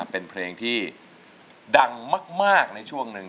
เป็นเพลงที่ดังมากในช่วงหนึ่ง